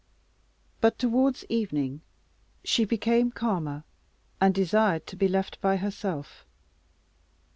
But towards evening she became calmer, and desired to be left by herself.